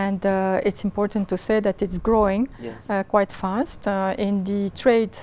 nó rất quan trọng để